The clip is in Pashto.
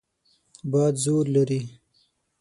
باد زور لري.